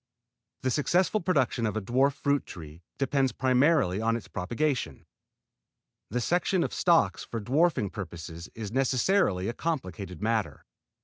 The successful production of a dwarf fruit tree depends primarily on its propagation. The selection of stocks for dwarfing purposes is necessarily a complicated matter.